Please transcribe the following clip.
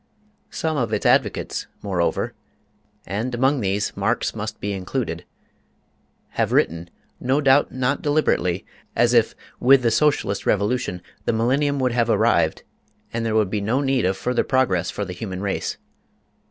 Some of its advocates, moreover and among these Marx must be included have written, no doubt not deliberately, as if with the Socialist revolution the millennium would have arrived, and there would be no need of further progress for the human race.